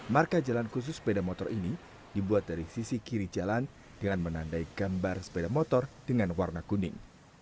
marka jalan khusus sepeda motor ini dibuat dari sisi kiri jalan dengan menandai gambar sepeda motor dengan warna kuning